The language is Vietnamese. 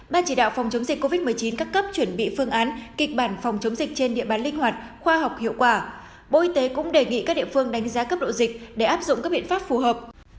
ban chỉ đạo phòng chống dịch covid một mươi chín các cấp chuẩn bị phương án kịch bản phòng chống dịch trên địa bàn linh hoạt khoa học hiệu quả bộ y tế cũng đề nghị các địa phương đánh giá cấp độ dịch để áp dụng các biện pháp phù hợp